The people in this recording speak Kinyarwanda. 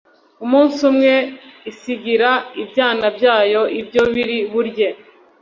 umunsi umwe isigira ibyana byayo ibyo biri burye